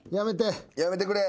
やめてくれ。